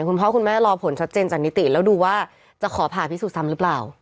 คุณพ่อคุณแม่รอผลชัดเจนจากนิติแล้วดูว่าจะขอผ่าพิสูจนซ้ำหรือเปล่า